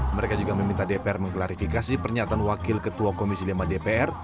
mereka juga meminta dpr mengklarifikasi pernyataan wakil ketua komisi lima dpr